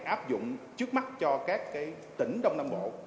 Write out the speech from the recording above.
áp dụng trước mắt cho các tỉnh đông nam bộ